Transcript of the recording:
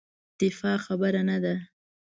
دفاع خبره نه ده.